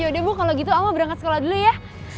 yaudah bu kalau gitu awa berangkat sekolah dulu ya